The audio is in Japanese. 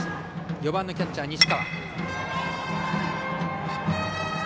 ４番のキャッチャー、西川。